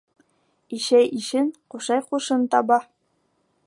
Ишәй ишен, ҡушай ҡушын таба.